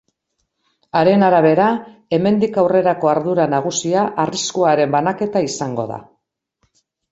Haren arabera, hemendik aurrerako ardura nagusia arriskuaren banaketa izango da.